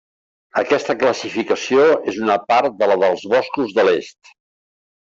Aquesta classificació és una part de la dels boscos de l'Est.